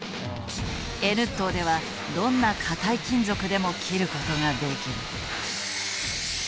Ｎットーではどんな硬い金属でも切ることができる。